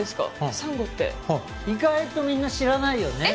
サンゴってはい意外とみんな知らないよねえっ？